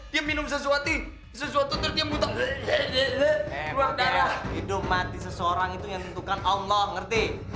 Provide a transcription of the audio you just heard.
dia minum sesuatu sesuatu terdiamu tak ada itu mati seseorang itu yang tentukan allah ngerti